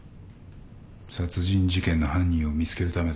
殺人事件の犯人を見つけるためだ。